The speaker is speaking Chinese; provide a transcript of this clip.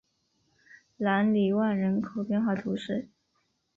朗里万人口变化图示